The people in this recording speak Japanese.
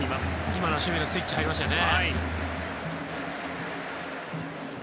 今のは守備のスイッチが入りましたよね。